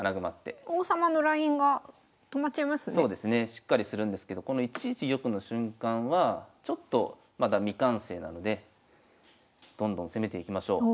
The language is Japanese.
しっかりするんですけどこの１一玉の瞬間はちょっとまだ未完成なのでどんどん攻めていきましょう。